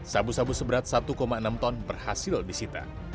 sabu sabu seberat satu enam ton berhasil disita